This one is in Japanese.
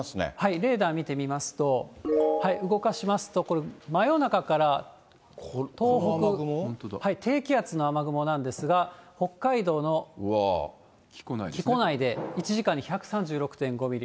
レーダー見てみますと、動かしますと、これ、真夜中から東北、低気圧の雨雲なんですが、北海道の木古内で１時間に１３６．５ミリ。